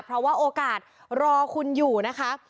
เพราะว่าโอกาสรอคุณอยู่นะคะ